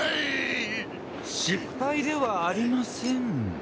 失敗ではありません。